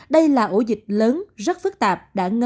đây là ổ dịch lớn rất phức tạp